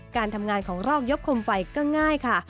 การทำงานของรอกยกคมไฟก็ง่ายค่ะ